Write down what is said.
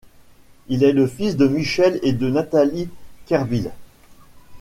Il est le fils de Michel et de Nathalie Kerdiles.